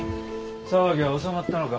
騒ぎは収まったのか？